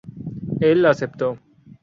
Él aceptó.